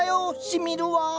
しみるわ。